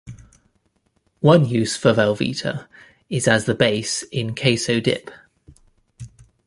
One use for Velveeta is as the base in queso dip.